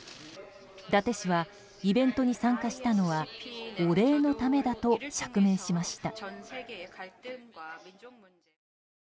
伊達氏はイベントに参加したのはお礼のためだと釈明しました。